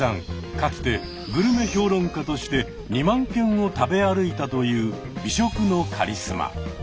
かつてグルメ評論家として２万軒を食べ歩いたという美食のカリスマ。